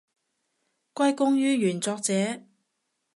歸功於原作者